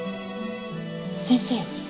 先生。